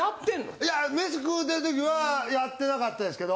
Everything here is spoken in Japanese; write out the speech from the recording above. いや飯食うてる時はやってなかったですけど。